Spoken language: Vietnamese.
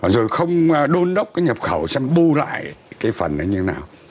rồi không đôn đốc cái nhập khẩu xem bu lại cái phần đó như thế nào